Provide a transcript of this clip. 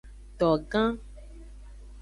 Togan.